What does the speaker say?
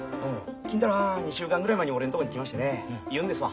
金太郎はん２週間ぐらい前に俺のとこに来ましてね言うんですわ。